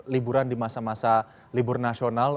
liburan di masa masa libur nasional